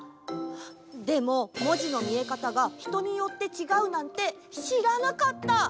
でも文字の見え方が人によってちがうなんて知らなかった！